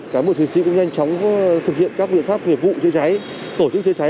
cán bộ chiến sĩ cũng nhanh chóng thực hiện các biện pháp nghiệp vụ chữa cháy tổ chức chữa cháy